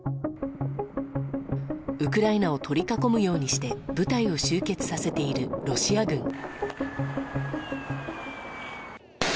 ウクライナを取り囲むようにして部隊を集結させているロシア軍。